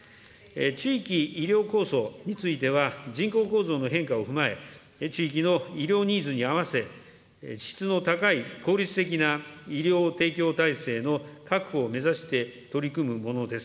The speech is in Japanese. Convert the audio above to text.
地域医療構想については、人口構造の変化を踏まえ、地域の医療ニーズに合わせ、質の高い効率的な医療提供体制の確保を目指して取り組むものです。